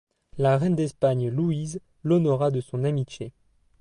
La reine d’Espagne Louise l’honora de son amitié.